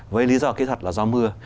với lý do kỹ thuật là do mưa